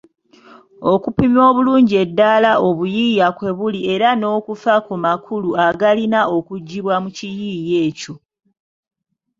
Okupima obulungi eddaala obuyiiya kwe buli era n'okufa ku makulu agalina okuggibwa mu kiyiiye ekyo.